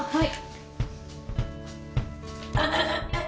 はい。